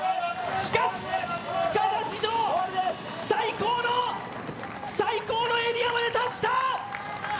しかし、塚田史上最高のエリアまで達した。